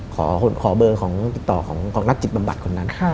ขอเบอร์ของติดต่อของนักจิตบำบัดคนนั้น